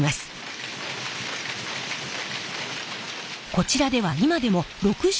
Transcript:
こちらでは今でも６０